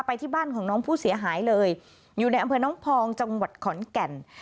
ที่บ้านของน้องผู้เสียหายเลยอยู่ในอำเภอน้องพองจังหวัดขอนแก่น